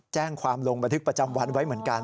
แจ้งความลงบันทึกประจำวันไว้เหมือนกัน